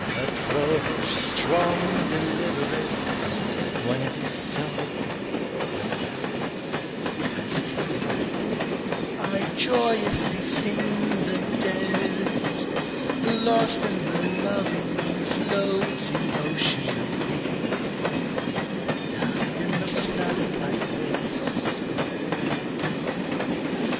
_ _Approach, strong deliveress! When it is so, when thou, hast taken them, I joyously sing the dead, Lost in the loving floating ocean of thee, Laved in the flood of thy bliss, O death_.